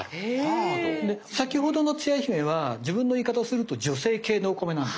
先ほどのつや姫は自分の言い方をすると女性系のお米なんですね。